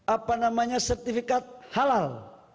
apa namanya sertifikat halal